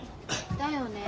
だよねえ。